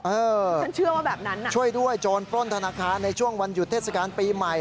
เออช่วยด้วยช่วยด้วยโจรปล้นธนาคารในช่วงวันหยุดเทศกาลปีใหม่